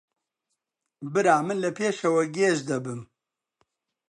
برا من لە پێشەوە گێژ دەبم